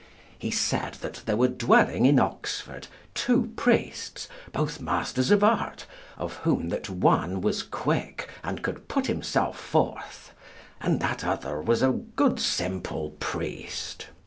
He said that there were dwelling in Oxford two priests, both masters of art, of whom that one was quick and could put himself forth, and that other was a good simple priest.